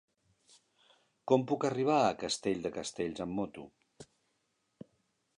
Com puc arribar a Castell de Castells amb moto?